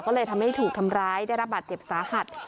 ก็เลยทำให้ถูกทำร้ายได้รับบาดเจ็บสาหัส